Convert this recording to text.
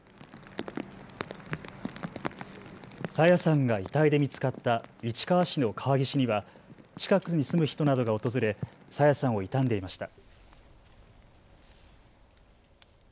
朝芽さんが遺体で見つかった市川市の川岸には近くに住む人などが訪れ朝芽さんを悼んでいました。